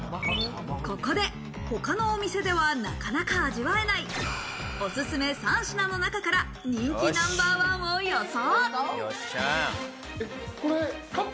ここで、他のお店ではなかなか味わえない、おすすめ３品の中から人気ナンバーワンを予想。